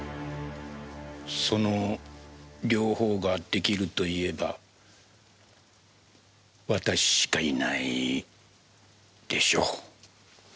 その両方ができるといえば私しかいないでしょう。